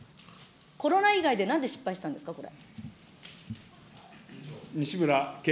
コロナ以外でなんで失敗したんですか、これ。